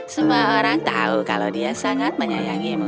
semua orang tahu kalau dia sangat menyayangimu